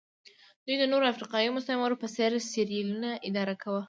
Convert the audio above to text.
دوی د نورو افریقایي مستعمرو په څېر سیریلیون اداره کاوه.